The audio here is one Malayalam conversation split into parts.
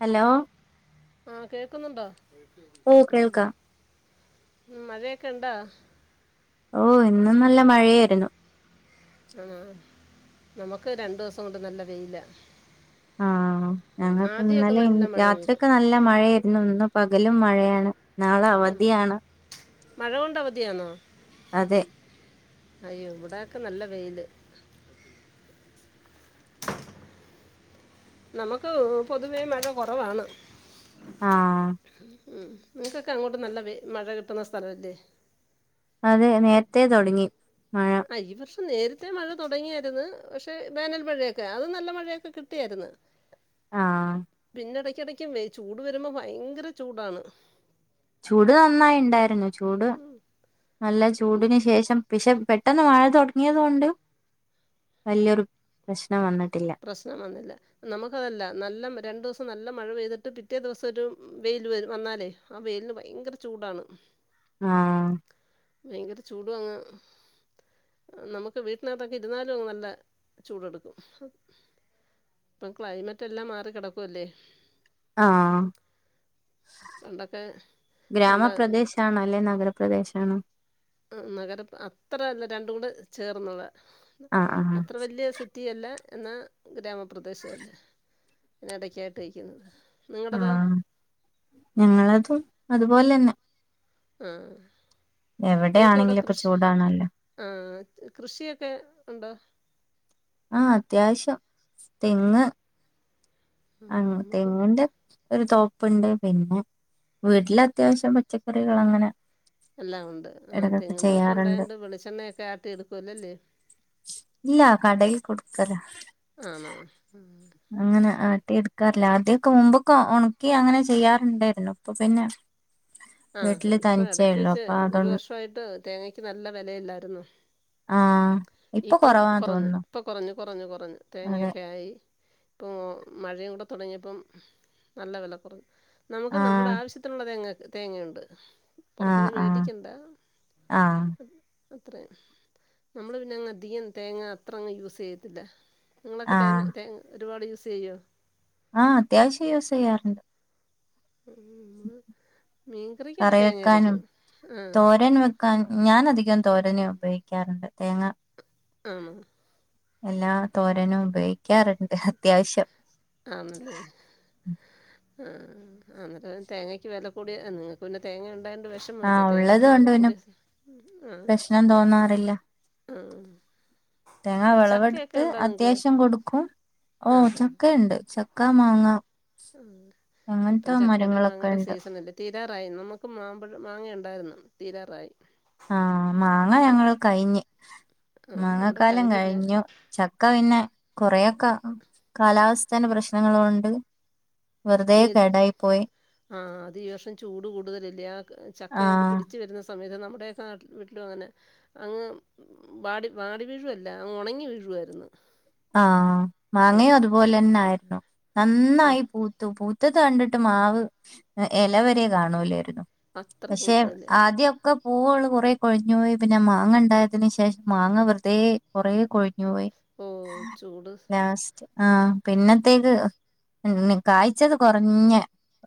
ഹലോ ആഹ് കേൾക്കുന്നുണ്ടോ? ഓഹ് കേൾക്കാം ഉം മഴയൊക്കെയുണ്ടാ? ഓ ഇന്നും നല്ല മഴയായിരുന്നു ആ നമുക്ക് രണ്ടു ദിവസം കൊണ്ട് നല്ല വെയിലാ ആ ഞങ്ങക്ക് ഇന്നലേം നല്ല മഴ രാത്രി പെയ്ത് ഒക്കെ നല്ല മഴയരുന്നു ഇന്നും പകലും മഴയാണ് നാളെ അവധിയാണ് മഴ കൊണ്ട് അവധിയാണോ അതെ അയ്യോ ഇവിടെ ഒക്കെ നല്ല വെയില് നമുക്ക് പൊതുവേ മഴ കൊറവാണ് ആ ഉം നിങ്‌ക്കൊക്കെ അങ്ങോട്ട് നല്ല വെ മഴ കിട്ടുന്ന സ്ഥലല്ലേ അതെ നേരത്തെേ തൊടങ്ങി ആ ഈ വർഷ നേരത്തെ മഴ തൊടങ്ങിയാരുന്നു പക്ഷെ വോനൽ മഴയൊക്കെ അത് നല്ല മഴയൊക്കെ കിട്ടിയാരുന്നു ആ പിന്നടക്കടയ്ക്കും വെ ചൂട് വരുമ്പോ ഭയങ്കര ചൂടാണ് ചൂട് നന്നായി ണ്ടായിരുന്നു ചൂട് നല്ല ചൂടിന് ശേഷം പെക്ഷെ പെട്ടെന്ന് മഴ തൊടങ്ങിയത് കൊണ്ട് വല്ല്യോരു പ്രശ് പ്രശ്നം വന്നില്ല നമുക്കതല്ല നല്ല രണ്ടൂസ് നല്ല മഴ പെയ്തിട്ട് പിറ്റേ ദെവസൊരു വെയിൽ വരൂ വന്നാലേ ആ വെയിലിന് ഭയങ്കര ചൂടാണ് ആഹ് ഭയങ്കര ചൂ നമുക്ക് വീട്ടിനകത്തൊക്കെ ഇരുന്നാലും നല്ല ചൂടെടുക്കും ഇപ്പം ക്ലൈമറ്റ് എല്ലാം മാറി കെടക്കുവല്ലേ ആഹ പണ്ടൊക്കെ നല്ല ഗ്രാമപ്രദേശാണ് അല്ലെ നഗരപ്രദേശ് ആണോ നഗരം അത്രല്ല രണ്ടും കൂടെ ചേർന്നുള്ളെ ആഹ് ആഹ് അത്ര വല്യ സിറ്റിയല്ല എന്നാ ഗ്രാമപ്രദേശവല്ല എടക്കായിട്ട നിക്കുന്നത് ആ ഞങ്ങളെതും അത് പോലെന്നെ ഉം എവിടെയാണെങ്കിലൊക്കൊ ചൂടാണല്ലോ ആഹ് കൃഷിയൊക്കെ ഉണ്ടോ ആ അത്യാവശ്യം തെങ്ങ് ആഹ് ആണോ നമുക്ക് തെങ്ങ്ന്റെ ഒര് തോപ്പ്ണ്ട് പിന്നെ വീട്ടിലത്യാവശ്യം പച്ചക്കറികളങ്ങനെ എല്ലാം ഉണ്ട് ആ തെങ്ങിൻതോപ്പ് ഉണ്ടായണ്ട് വെളിച്ചെണ്ണയൊക്കെ ആട്ടി എടുക്കുവല്ലെ അല്ലേ ഇല്ല കടയിൽ കൊട്ക്കല ആ ആട്ടി എട്ക്കാറില്ല ആദ്യൊക്കെ മുമ്പൊക്കെ ഒണ്ക്കി അങ്ങനെ ചെയ്യാറുണ്ടേയ്രുന്നു പ്പൊ പിന്നെ ആ വീട്ടില് പ്പ തനിച്ചേ ഇടക്ക് ഉള്ളു വെച്ച് അപ്പൊ ഒരു അതൊണ്ട് വർഷ വായിട്ട് തേങ്ങക്ക് നല്ല വെലയില്ലായിരുന്നോ ആ ഇപ്പൊ ഇപ്പം കൊറവാ കുറഞ്ഞ് തോന്നുന്നു പ്പം കൊറഞ്ഞ് കൊറഞ്ഞ് കൊറഞ്ഞ് അതെ തേങ്ങെയൊക്കെ ആയി പ്പോ മഴയൂട തടങ്ങിയപ്പം നല്ല വെല കൊറഞ്ഞ് നമുക്ക് ആ നമ്മുടെ ആവശ്യത്തിനുള്ളത് തെങ്ങ് തേങ്ങയുണ്ട് ആ പുറത്ത്ന്ന് ആ മേടിക്കണ്ട ആ അത്രയും നമ്മള് പിന്നെ അങ്ങ് അധികം തേങ്ങ അത്ര അങ്ങ് യൂസ് ചെയ്യത്തില്ല നിങ്ങളൊക്കെ ആ തേ തേങ്ങ ഒരുപാട് യൂസ് ചെയ്യോ ആ അത്യാവശ്യം യൂസ്സെയ്യാറ്ണ്ട് നമ്മൾ മീൻകറിക്കൊക്കെ കറി തേങ്ങ വെക്കാനും അരയ്ക്കും ആ തോരൻ വെക്കാൻ ഞാൻ അധികം തോരൻ നു ഉപയോഗിക്കാറ്ണ്ട് തേങ്ങ ആന്നോ എല്ലാ തോരനും ഉപയോ ക്കാറ്ണ്ട് അത്യാവശ്യം ആണല്ലേ ആ അന്നരം തേങ്ങക്ക് വില കൂടിയാ നിങ്ങൾക്ക് പിന്നെ തേങ്ങ ഉണ്ടയോ ആ ഉള്ളത് കൊണ്ട് പിന്നെ ആ പ്രശ്നം തോന്നാറില്ല ആ തേങ്ങ ചക്കയൊക്കെ വറളവെടുത്ത് ഉണ്ടോ നിങ്ങൾക്ക് അത്യാവശ്യം കൊടുക്കും ഓ ചക്കയൊണ്ട് ചക്ക മാങ്ങ ഉം അങ്ങനത്തെ ഇപ്പം ചക്കെടെം മരങ്ങളൊക്കെ മാങ്ങേടെം ഉണ്ട് സീസൺണല്ലേ തീ രാറായി നമുക്ക് മാമ്പഴ മാങ്ങയുണ്ടായ്ര്ന്നു തീരാറായി ആ മാങ്ങ ഏ, ഞങ്ങള് കയ്ഞ്ഞ് ആ മാങ്ങ നമ്മുടെ കാലം കഴിഞ്ഞില്ല കഴിഞ്ഞു ചക്ക പിന്നെ കൊറേയൊക്കെ കാലാവസ്ഥേൻ്റെ പ്രശ്നങ്ങളും ഉണ്ട് ആ അത് ഈ വർഷം ചൂട് കൂടുതലല്ലേ ആ ചക്ക ഇങ്ങോട്ട് ആ പിടിച്ചു വരുന്ന സമയത്ത് നമ്മ നമ്മുടെയൊക്കെ നാട്ടി വീട്ടിലും അങ്ങനെ അങ്ങ് വാടി വാടി വീഴുവല്ല അങ്ങ് ഉണങ്ങി വീഴുവായിരുന്നു ആ മാങ്ങയും ആഹ് അതുപോലെ തന്നെ ആയിരുന്നു ആഹ് നന്നായി പൂത്തു പൂ ത്തത് കണ്ടിട്ട് മാവ് ഇലവര കാണൂല്ലാരുന്നു ന്നു അത്ര പക്ഷെ പൂത്തതല്ലേ ആദ്യ ഒക്ക പൂവുകൾ കുറ കൊഴിഞ്ഞു പോയി പിന്നെ മാങ്ങ ഉണ്ടായതിന് ശേഷം മാങ്ങ വെറുതെ കൊറെ കൊഴിഞ്ഞു പോയി ഓ ചൂട് ലാസ്റ്റ് ആ പിന്നത്തേത് കായ്ച്ചത് കുറഞ്ഞ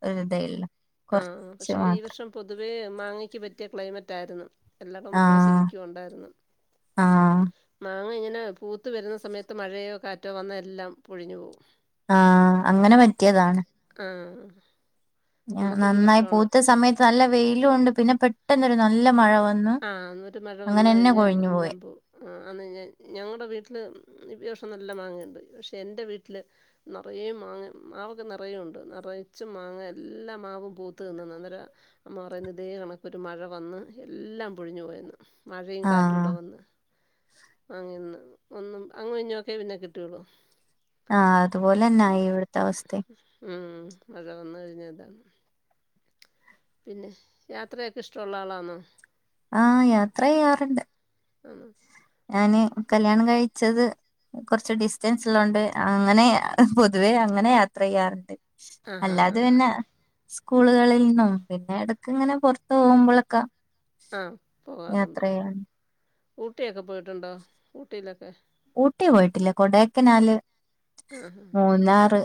ഒരു ഇതേയുള്ളൂ ആ പക്ഷെ ഈ വർഷം പൊതുവേ മാങ്ങക്ക് പറ്റിയ ക്ലൈമറ്റ് ആയിരുന്നു എല്ലാടോം മാങ്ങാ ശരിക്കും ഉണ്ടായിരുന്നു ആ മാങ്ങ ഇങ്ങനെ പൂത്ത് വരുന്ന സമയത്ത് മഴയോ കാറ്റോ വന്നാൽ എല്ലാം പൊഴിഞ്ഞു പോവും ആ അങ്ങനെ പറ്റിയതാണ് ആഹ് നമുക്ക് ഈ നന്നായി വർഷമാണ് പൂത്ത സമയത്ത് നല്ല വെയിലുണ്ട് പിന്നെ പെട്ടെന്നരു നല്ല മഴ വ ആഹ് അന്നൊരു മഴ വന്ന് കഴിഞ്ഞാ പോയി എല്ലാം പോവും ആ അന്ന് ഞാൻ ഞങ്ങടെ വീട്ടില് ഈ വർഷം നല്ല മാങ്ങയുണ്ട് പക്ഷേ എൻ്റെ വീട്ടില് നറയെ മാങ്ങ മാവൊക്കെ നറയെ ഉണ്ട് നറച്ചും മാങ്ങ എല്ലാ മാവും പൂത്തുനിന്നതാ അന്നേരം അമ്മ പറയുന്നത് ഇതേ കണക്കൊരു മഴ വന്ന് എല്ലാം പൊഴിഞ്ഞു പോയെന്ന് മഴയും ആഹ് കാറ്റുടെ വന്ന് അങ്ങിന്ന് ഒന്നും അങ്ങു ഇഞ്ഞോക്കേ പിന്നെ കിട്ടിയോളു ആഹ് അതുപോലെന്ന ഇവിടുത്തെ അവസ്ഥയും ഉം. മഴ വന്നു കഴിഞ്ഞയിതാണ് പിന്നെ യാത്രയൊക്കെ ഇഷ്ടൊള്ള ആളാന്നോ ആ യാത്രയെയ്യാറ്ണ്ട് ആന്നോ ഞാന് കല്യാണം കഴിച്ചത് കുറച്ച് ഡിസ്റ്റൻസ് ഇള്ളോണ്ട് അങ്ങനെ പൊതുവേ അങ്ങനെ യാത്രയെയ്യാറുണ്ട് ആ ഹാ ഹാ അല്ലാതെ ഹാ. പിന്നെ സ്കൂളുകളിൽ നിന്നും പിന്നെ ഇടക്കിങ്ങനെ പുറത്തോവുമ്പളക്ക ആഹ് പോവാറുണ്ട് ഊട്ടിയൊക്കെ പോയിട്ടുണ്ടോ ഊട്ടിയിലൊക്കെ ഊട്ടി പോയിട്ടില്ല കൊടൈക്കനാല് ആഹ മൂന്നാറ്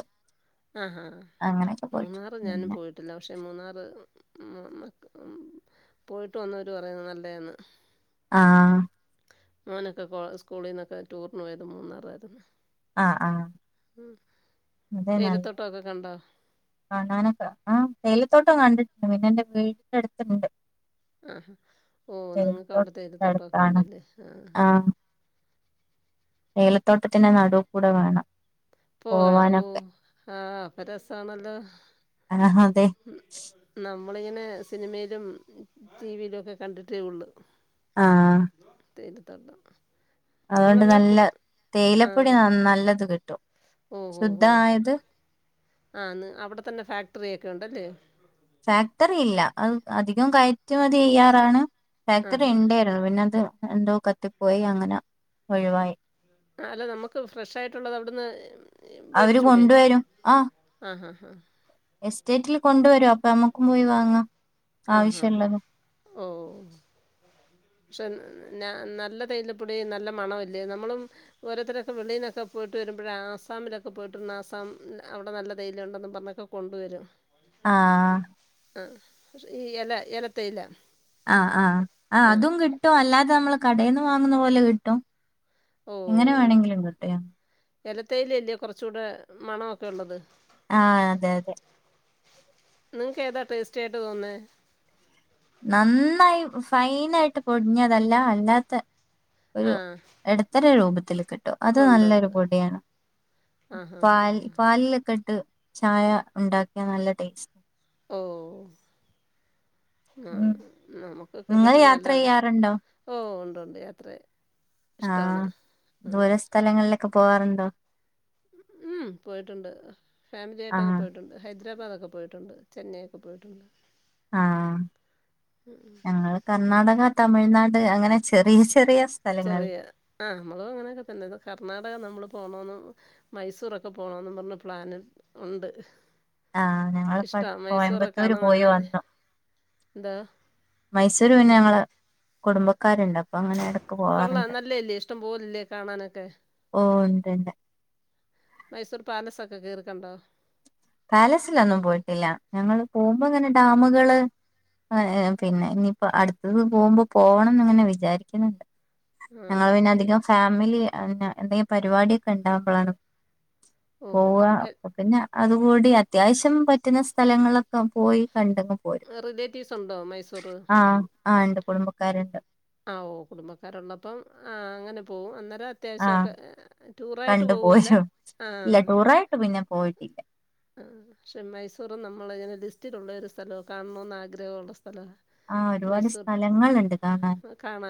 ആഹഹാ അങ്ങനെയൊക്കെ പോയിട്ടുണ്ട് മൂന്നാറ് ഞാനും പിന്നെ പോയിട്ടില്ല പക്ഷെ മൂന്നാറ് ഉ ഉ പോയിട്ട് വന്നവര് പറയുന്ന നല്ലയാന്ന് ആഹ് മോനൊക്കെ കോ സ്കൂളിന്നൊക്കെ ടൂറിനു പോയത് മൂന്നാറായിര്ന്ന് ആഹ ആഹ അതെ നല്ല് തേയിലത്തോട്ടമൊക്കെ കണ്ടോ കാണാനൊക്കെ ആഹ തേയിലത്തോട്ടം കണ്ടിട്ടുണ്ട് പിന്നെ എന്റെ വീട്ടിന്റട്ത്ത്ണ്ട് ആഹാ ഓ നിങ്ങക്ക് അവിടെ തേയിലത്തോട്ടൊക്കെ അടുത്താണ് ഉണ്ടല്ലേ ആഹ ഏലത്തോട്ടത്തിന്റെ നടുകൂടെ വേണം പോവാനൊക്കെ രസണല്ലോ ആഹ ഹതെ നമ്മളിങ്ങനെ സിനിമയിലും ടിവിയിലുവൊക്കെ കണ്ടിട്ടേ ഉള്ളു ആഹ തേയിലത്തോട്ടം അതുകൊണ്ട് നമ്മളെല്ലാം പോ നല്ല ആ തേയിലപ്പൊടി നന്നനല്ലത് കിട്ടും ശുദ്ധായത് ആന്ന് അവിടെ തന്നെ ഫാക്ടറി ഒക്കെ ഉണ്ടല്ലേ ഫാക്ടറി ഇല്ല അ അധികം കയറ്റുമതിയെയ്യാറാണ് ഫാക്ടറി ആഹാ ഇണ്ടായിരുന്നു പിന്നെ അത് എന്തോ കത്തിപ്പോയി അങ്ങന ഒഴിവായി ആ അല്ല നമുക്ക് ഫ്രഷ് ആയിട്ടുള്ളത് അവിടുന്ന് [unintelligible] അവര് മേടിച്ചൂടെ? കൊണ്ടുവരും ആഹ് ആഹാഹാ. എസ്റ്റേറ്റിൽ കൊണ്ടു വരും അപ്പ നമ്മുക്കും പോയി വാങ്ങാം ആഹാഹാ. ആവശ്യള്ളത് ഓ പക്ഷേ ന നല്ല തേയില പൊടി നല്ല മണം അല്ലേ നമ്മളും ഓരോത്തരൊക്കെ വെളിന്നൊക്കെ പോയിട്ട് വരുമ്പ ഴേ ആസാമിലൊക്കെ പോയിട്ട് ആസാം അവിടെ നല്ല തേയില ഉണ്ടെന്ന് പറഞ്ഞൊക്കെ കൊണ്ടുവരും ആങ്ഹ് ആ ഈ എല എലത്തേയില ആ ആ ആ അതും കിട്ടും അല്ലാതെ നമ്മള് കടേന്ന് വാങ്ങുന്ന പോലെ കിട്ടും എങ്ങനെ വേണെങ്കിലും കിട്ടി എലത്തേയില അല്ലയോ കൊറച്ച് കൂട മണോക്കെ ഒ ള്ളത് ആ അതെ അതെ നിങ്ങക്ക് ഏതാ ടേസ്റ്റായിട്ട് തോന്നേ നന്നായി ഫൈൻ ആയിട്ട് പൊടിഞ്ഞതല്ല അല്ലാത്തെ ഒരു ആ. എടത്തര രൂപത്തി ത്തിലക്കെ [unintelligible] അത് ഉണ്ട്, നല്ലൊരു ഉണ്ട്. പൊടിയാണ് ആഹാഹാഹാ. പാൽ പാലിലൊക്കെ അടി ട്ട് ചായ ഒണ്ടാക്കിയ നല്ല ടേസ്റ്റ് ഓ ആങ്ഹ് ആ നമ നിങ്ങള് യാത്ര ചെയ്യാറുണ്ടോ ഓ ഒണ്ട് ഒണ്ട് യാത്ര ആ ഇഷ്ടമാണ് ആ ദൂര സ്ഥലങ്ങളിലൊക്കെ പോവാറുണ്ടോ ഉം പോയിട്ടുണ്ട് ഫാമിലി ആയിട്ടൊക്കെ ആഹ് പോയിട്ടുണ്ട് ഹൈ ഹൈദ്രാബാദൊക്കെ പോയിട്ടൊണ്ട് ചെന്നെ ഒക്കെ പോയിട്ടൊണ്ട് ആ ഞങ്ങള് കർണാടക തമി തമിഴ്നാട് അങ്ങനെ ചെറിയ ചെറി ചെറിയ ആ നമ്മള് അങ്ങനെക്കെ തന്നെ കർണാടക നമ്മള് പോണോന്നും മൈസൂറൊക്കെ പോണോന്നും പറഞ്ഞ് പ്ലാന് ഉണ്ട് ആഹ് ഞങ്ങളിപ്പ ഇഷ്ടമാണ് മൈസൂറൊക്കെ കോയമ്പത്തൂര് കാണാൻ പോയി നല്ല വന്നു എന്താ മൈസൂര് പിന്ന ഞങ്ങള് കുടുംബ കൊള്ളാം നല്ലേ അല്ലെ ഇഷ്ടം പോലില്ലേ കാണാനൊക്കെ ഓ ഉണ്ട് ഉണ്ട്. മൈസൂർ പാലസൊക്കെ കേറി കണ്ടോ പാലസിലൊന്നും പോയിട്ടില്ല ഞങ്ങള് പോകുമ്പ ഇങ്ങനെ ഡാമുകള് പിന്നെ ഇനിയിപ്പോ അടുത്തത് പോകുമ്പോ പോവണന്ന് ഇങ്ങനെ വിചാരിക്കണ ആ ഞങ്ങള് പിന്ന മൈ അധികം ഫാമിലി എന്തെങ്കിലും പരിപാടിയൊക്കെ ഉണ്ടാകുമ്പോളാണ് ഓഹോ പോവ അപ്പ പിന്നെ അതുകൂടി അത്യാവശ്യം പറ്റുന്ന സ്ഥലങ്ങളൊക്കെ പോയി കണ്ടങ്ങ് പോരും റിലേറ്റീവ്സ് ഉണ്ടോ മൈസൂർ ആഹ ആ ഉണ്ട് കുടുംബക്കാരുണ്ട് ആഓ കുടുംബക്കാാരള്ളപ്പം ആ അങ്ങനെ പോവും അ അത്യാവശ്യം ആഹ് ഒക്കെ ടൂർ ആയിട്ട് കണ്ടു പോകില്ല പോരും. ആ ഇല്ല ടൂറായിട്ട് പിന്നെ പോയിട്ടില്ല. മൈസൂര് നമ്മളെ [unintelligible] തിലുള്ള ഒരു സ്ഥലോ കാണോന്ന് ആഗ്രഹമ ഉുള്ള ആഹ ഒരുപാട് സ്ഥലങ്ങുണ്ട് കാണാൻ കാണ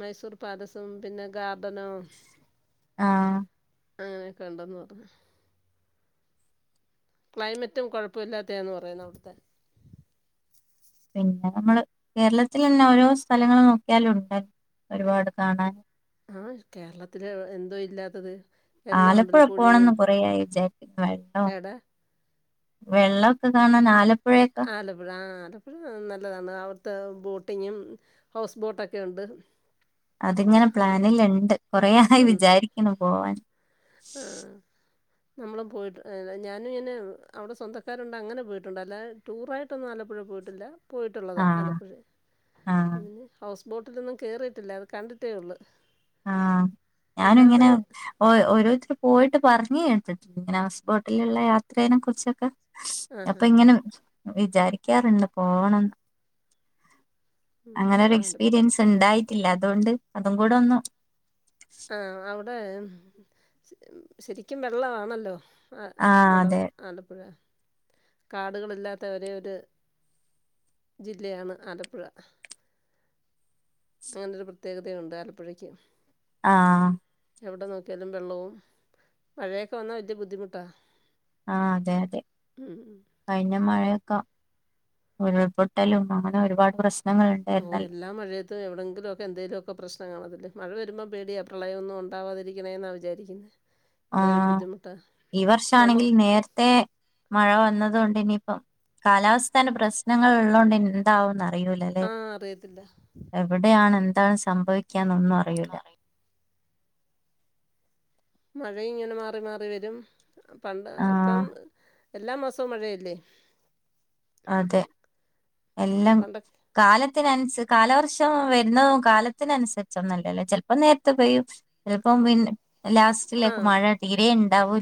മൈസൂർ പാലസം പിന്നെ തന്ന ആഹ് അങ്ങനെയൊക്കെ ഉണ്ടന്ന പറഞ്ഞു [unintelligible] ക്ലൈമറ്റും കൊഴപ്പമില്ലാത്തെയാന്ന് പറയുന്നു അവിടുത്തെ പിന്നെ നമ്മള് കേരളത്തിൽ തന്നെ ഓരോ സ്ഥലങ്ങള് നോക്കിയാലും ഉണ്ട് ഒരുപാട് കാണൻ ആഹ കേരളത്തില് എന്തോ ഇല്ലാത്തത് എല്ലാം ആലപ്പുഴ ഉണ്ടല്ലോ പുഴയും പോണംന്ന് കുറയായി വിചാരിക്കുന്നു വല്ലോ [unintelligible] എടാ വെള്ളമൊക്കെ കാണാൻ ആലപ്പ ആലപ്പുഴ ആ ആ അപ്പോ നല്ലതാണ് അവിടുത്തെ ബോട്ടിങ്ങും ഹൗസ് ബോട്ടൊക്കെയ ഉണ്ട് അതിങ്ങനെ പ്ലാനിലിണ്ട് കൊറെയായി ഉം വിചാരിക്കുന്നു പോവാൻ. ആഹ് നമ്മളും പോയിട്ട് [unintelligible] ഞാനുങ്ങനെ അവടെ സ്വന്തക്കാരുണ്ട് അങ്ങനെ പോയിട്ടുണ്ട് അല്ലാതെ ടൂറായിട്ടൊന്നും ആലപ്പുഴേ പോയിട്ടില്ല. പോയിട്ടുള്ളതാ ആഹ് ആലപ്പുഴ് ആഹ് പിന്നെ ഹൗസ് ബോട്ടിലൊന്നും കയറിയിട്ടില്ല അത് കണ്ടിട്ടേ ഒള്ളൂ. ആഹ് ഞാനുഇങ്ങനെ ഓ ഓരോ ച പോയിട്ട് പർഞ്ഞ് കേട്ടിട്ട്ണ്ട് ഇങ്ങനെ ഹൗസ് ബോട്ടില്ള്ള യാത്രേനെ കുറിച്ചൊക്കെ അപ്പ ആഹാ ങ്ങനെ വിചാരിക്കാറുണ്ട് പോണംന്ന് ഉം അങ്ങനൊരു ആല എക്സ്പീരിയൻസ് ഇണ്ടായി ഇല്ല അതൊണ്ട് അതും കൂടെ ഒന്നു ആഹ് അവിടെ ശരിക്കും വെള്ളവാണല്ലോ ആഹ് അവിടെ ആലപ്പുഴ കാടുകളില്ലാത്ത ഒരേ ഒരു ജില്ലയാണ് ആലപ്പുഴ അങ്ങനെ ഒരു പ്രത്യേകതയുണ്ട് ആലപ്പുഴക്ക് ആഹ് എവിടെ നോക്കിയാലും വെള്ളവും മഴയൊക്കെ വന്നാൽ വലിയ ബുദ്ധിമുട്ടാ ആഹ് അതെ അതെ ഉം കഴിഞ്ഞ മഴയൊ ക്ക ഉരുൾപൊട്ടലും അങ്ങനെ ഒരുപാട് പ്രശ്ന ഓഹ് എല്ലാ മഴയത്തും എവിടെയെങ്കിലും ഒക്കെ എന്തെലുക്കെ പ്രശ്നം കാണത്തില്ലേ മഴ വരുമ്പോം പേടിയാ പ്രളയം ഒന്നും ഉണ്ടാവാതിരിക്കണേ എന്നാണ് വിചാരിക്കുന്നേ ആഹ് ഈ വർഷാണെങ്കി നമുക്ക് നേരത്തെ മഴ വന്നത് കൊണ്ട് ഇനി അപ്പം കാലാവസ്ഥൻ്റെ പ്രശ്നങ്ങൾ ഉള്ളൊണ്ട് എന്താവൂന്നാ കഴിയുലല്ലേ ആ അറിയത്തില്ല. എവിടെയാണ് എന് എന്താണ് സംഭവി ക്കാനൊന്നും അറിയൂല്ല മഴ ഇങ്ങനെ മാറി മാറി വരും പണ്ട് ഇപ്പം ആഹ് എല്ലാ മാസവും മഴയല്ലേ? അതെ എല്ലാം പണ്ടൊക്കെ കാലം ത്തിന് അനുസ് കാലവർഷം വരുന്നത് കാലത്തിന് അനുസരിച്ചൊന്നും അല്ലല്ലോ ചിലപ്പോ നേരത്ത് പെയ്യും ചിലപ്പോം പിന്നെ ലാസ്റ്റിലേക്ക് മഴ തീരേ ണ്ടാവും.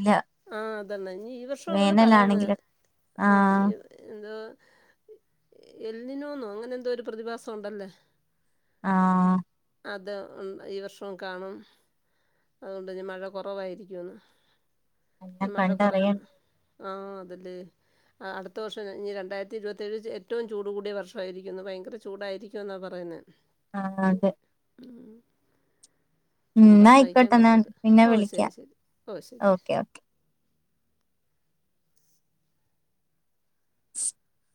ആഹ് അതന്നെ ഇനി ഈ വർഷം അങ്ങനെ പറയുന്ന വേനലാണെങ്കില് ആഹ് എന്തോ എല്ലിനോന്നു അങ്ങനെ എന്തോ ഒരു പ്രതിഭാസം ഉണ്ടല്ലോ. ആഹ്. അത് ഈ വർഷവും കാണും അതുകൊണ്ട തന്നെ മഴ കുറവായിരിക്കുമെന്ന് എല്ലാം മഴ കുറേ കണ്ടറിയാം ആ അതല്ലേ അടുത്ത വർഷം ഇനി രണ്ടായിരത്തി ഇരുപത്തേഴ് ഏറ്റവും ചൂട് കൂടിയ വർഷമായിരിക്കുന്നു ഭയങ്കര ചൂടായിരിക്കുമെന്നാണ് പറയുന്നേ ആ അതെ ഉം ഉം ചൂടാ ന്നാ സഹിക്കാൻ ആയിക്കോട്ടെ ന്നാ പറ്റാത്തേ പിന്നെ ഓ ശരി വിളിക്കാം ശരി ഓ ഓക്കെ ശരി ഓക്കെ [inaudible]